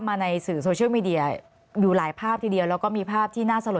คุณพลอยทศจริตอนนี้ไฟสงบแล้วเรียบร้อยนะคะ